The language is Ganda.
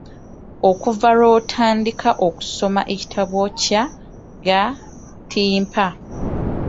Okuva lw’otandika okusoma ekitabo kya “Gattimpa".